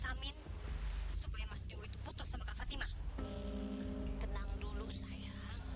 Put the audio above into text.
kamu apakah kasihan sama fatima dan adik adiknya